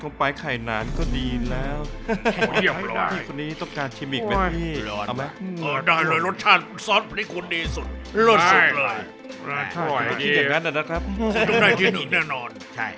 เออได้เลยรสชาติส้อตบริขุนดีสุดเราได้ทุกนึงได้ที่หนึ่งแน่นอน